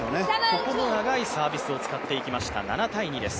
ここの長いサービスも使っていきました、７−２です。